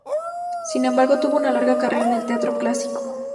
Sin embargo, tuvo una larga carrera en el teatro clásico.